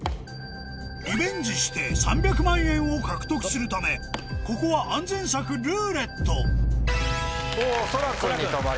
リベンジして３００万円を獲得するためここは安全策「ルーレット」おそら君に止まりました。